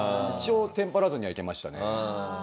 一応テンパらずにはいけましたね。